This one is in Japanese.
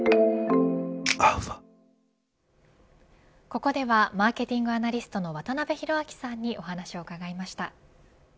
ここではマーケティングアナリストの渡辺広明さんにお話をうかがいました。